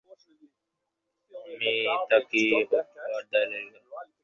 আমি থাকি হুঁকাবরদারের ঘরে, সেখানে গামলায় গুলের আগুন, আমি বেশ গরম থাকি।